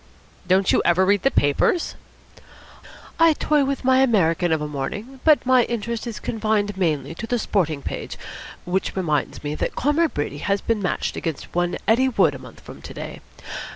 "Don't you ever read the papers?" "I toy with my American of a morning, but my interest is confined mainly to the sporting page which reminds me that Comrade Brady has been matched against one Eddie Wood a month from to day.